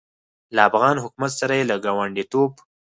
له افغان حکومت سره یې له ګاونډیتوب